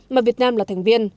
mà việt nam là thành viên